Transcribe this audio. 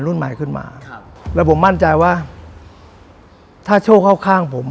รุ่นใหม่ขึ้นมาครับแล้วผมมั่นใจว่าถ้าโชคเข้าข้างผม